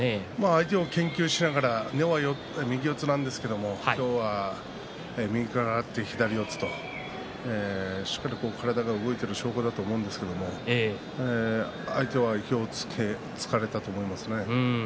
相手を研究しながら根は右四つなんですけど今日は右から張って左四つとしっかり体が動いている証拠だと思うんですけど相手は意表を突かれたと思いますね。